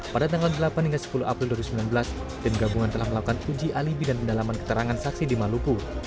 pada tanggal delapan hingga sepuluh april dua ribu sembilan belas tim gabungan telah melakukan uji alibi dan pendalaman keterangan saksi di maluku